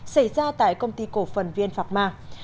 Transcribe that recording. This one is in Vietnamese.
xảy ra tại công ty cổ phần viên phạm ma